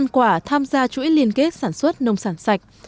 quả tham gia chuỗi liên kết sản xuất nông sản sạch